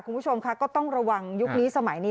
คุณผู้ชมค่ะก็ต้องระวังยุคนี้สมัยนี้